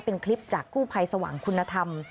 เป็นคลิปจากกู้ภัยสว่างคุณธรรม